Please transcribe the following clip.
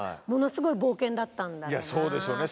いやそうでしょうね